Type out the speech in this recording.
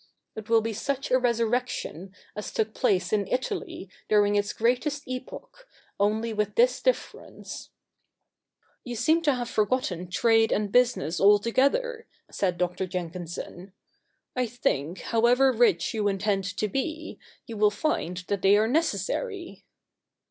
It will be such a resurrection as took CH. i] THE NEW REPUBLIC 197 place in Italy during its greatest epoch, only with this difference '' You seem to have forgotten trade and business altogether,' said Dr. Jenkinson. ' I think, however rich you intend to be, you will find that they are necessary."